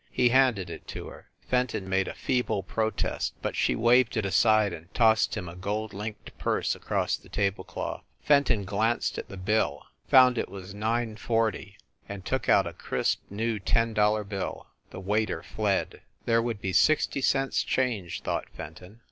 He handed it to her. Fen ton made a feeble protest, but she waved it aside, and tossed him a gold linked purse across the table cloth. Fenton glanced at the bill, found it was THE CAXTON DINING ROOM 185 $9.40, and took out a crisp, new ten dollar bill. The waiter fled. There would be sixty cents change, thought Fen ton.